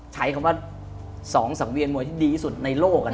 ใช้คำว่า๒๓เวียนมวยที่ดีสุดในโลกอะนะ